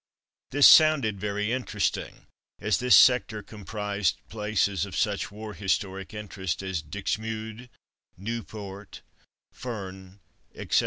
This sounded very interesting, as this sector comprised places of such war historic interest as Dixmude, Nieuport, Furnes, etc.